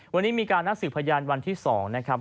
วันนี้มีการนัดสืบพยานวันที่๒นะครับ